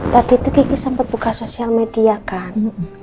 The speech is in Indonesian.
waktu itu kiki sempat buka sosial media kan